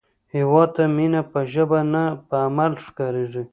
هیواد ته مینه په ژبه نه، په عمل ښکارېږي